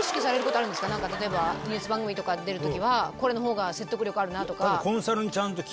例えばニュース番組とか出る時はこれの方が説得力あるなとか。